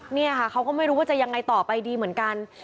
เนี่ยค่ะเขาก็ไม่รู้ว่าจะยังไงต่อไปดีเหมือนกัน